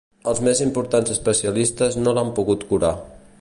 Els més importants especialistes no l'han pogut curar.